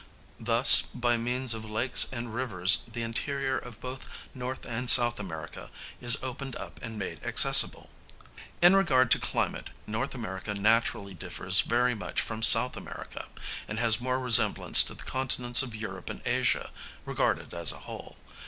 Thus by means of lakes and rivers the interior of both N. and S. America is opened up and made accessible. In regard to climate N. America naturally differs very much from S. America, and has more resemblance to the continents of Europe and Asia (regarded as a whole).